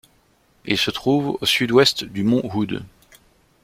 Il se trouve au sud-ouest du mont Hood.